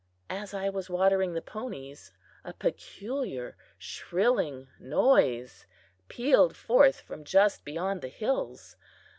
As I was watering the ponies, a peculiar shrilling noise pealed forth from just beyond the hills.